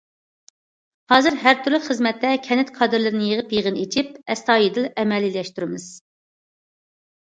ھازىر ھەر تۈرلۈك خىزمەتتە كەنت كادىرلىرىنى يىغىپ يىغىن ئېچىپ، ئەستايىدىل ئەمەلىيلەشتۈرىمىز.